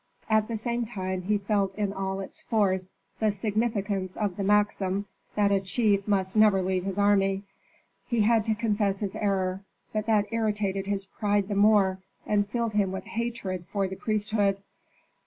At the same time he felt in all its force the significance of the maxim that a chief must never leave his army. He had to confess his error, but that irritated his pride the more and filled him with hatred for the priesthood.